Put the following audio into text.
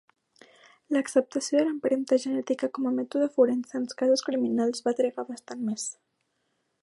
L'acceptació de l'empremta genètica com mètode forense, en casos criminals, va trigar bastant més.